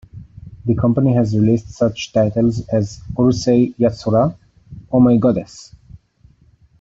The company has released such titles as "Urusei Yatsura", "Oh My Goddess!